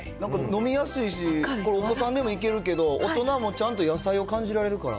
飲みやすいし、これお子さんでもいけるけど、大人もちゃんと野菜を感じられるから。